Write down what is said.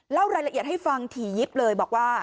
เล่ารายละเอียดให้ฟังถี่ยิบเลยบอกว่า